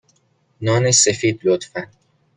نان سفید، لطفا.